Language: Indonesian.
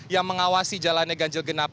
yang mengawasi jalannya ganjil genap